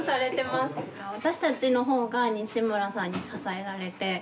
私たちの方が西村さんに支えられて。